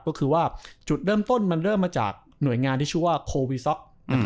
ก็คือว่าจุดเริ่มต้นมันเริ่มมาจากหน่วยงานที่ชื่อว่าโควิซ็อก